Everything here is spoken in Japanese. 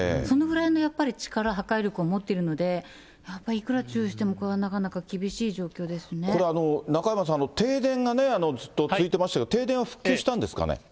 そのぐらいのやっぱり力、破壊力を持ってるので、やっぱりいくら注意してもこれはなかなか厳しいこれ、中山さんね、停電がね、ずっと続いてましたけど、停電は復旧したんですかね。